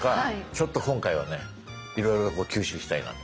ちょっと今回はねいろいろこう吸収したいなと。